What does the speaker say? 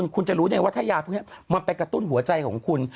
คุณจะรู้ได้ว่าถ้ายาพวกนี้มันไปกระตุ้นหัวใจของคุณ